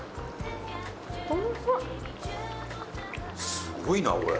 すごいなこれ。